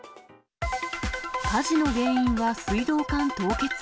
火事の原因は水道管凍結？